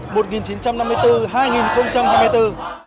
một nghìn chín trăm năm mươi tư hai nghìn không trăm hai mươi tư